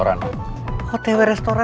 udah ngeri ngeri aja